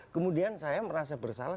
kemudian saya merasa bersalah